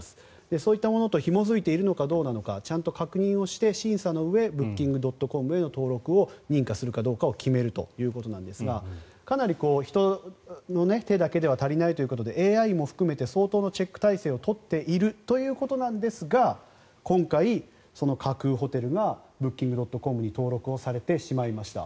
そういったものとひも付いているのかどうなのかちゃんと確認をして審査のうえブッキングドットコムへの登録を認可するかどうかを決めるということなんですがかなり、人の手だけでは足りないということでＡＩも含めて相当のチェック体制を取っているということなんですが今回、架空ホテルがブッキングドットコムに登録をされてしまいました。